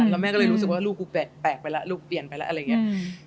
แล้วแม่ก็เลยรู้สึกว่าลูกกูแปลกไปแล้วลูกเปลี่ยนไปแล้วอะไรอย่างนี้